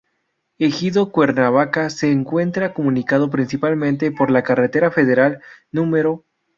Ejido Cuernavaca se encuentra comunicada principalmente por la carretera federal No.